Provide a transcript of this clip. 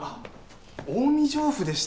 近江上布でした。